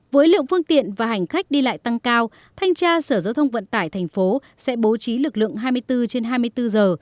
với lượng phương tiện và hành khách đi lại tăng cao thanh tra sở giao thông vận tải tp sẽ bố trí lực lượng hai mươi bốn trên hai mươi bốn giờ